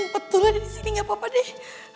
betul ada di sini gak apa apa deh